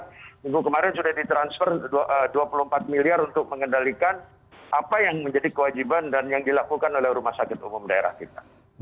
karena minggu kemarin sudah ditransfer rp dua puluh empat miliar untuk mengendalikan apa yang menjadi kewajiban dan yang dilakukan oleh rumah sakit umum daerah kita